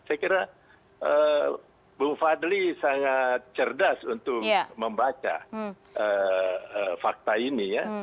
saya kira bu fadli sangat cerdas untuk membaca fakta ini ya